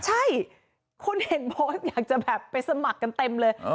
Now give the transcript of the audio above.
ใช่คนเห็นโพสต์อยากจะแบบไปสมัครกันเต็มเลย